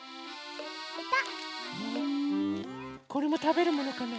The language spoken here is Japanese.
これもたべるものかな？